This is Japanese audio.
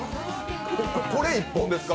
これ１本ですか。